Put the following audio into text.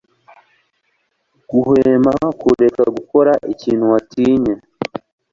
guhwema kureka gukora ikintu watinye